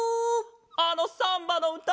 あのサンバのうた？